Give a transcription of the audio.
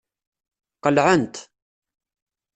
Qelɛent.